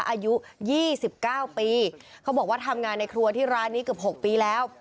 อายุ๒๙ปีเขาบอกว่าทำงานในครัวที่ร้านนี้เกือบ๖ปีแล้ว